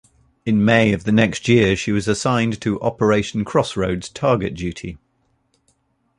In May of the next year, she was assigned to Operation Crossroads target duty.